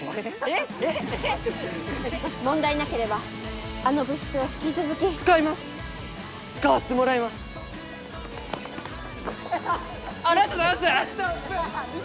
えっ問題なければあの部室を引き続き使います使わせてもらいますありがとうございます！